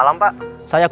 biarin zakat aja pak